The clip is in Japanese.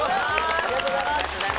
・ありがとうございます！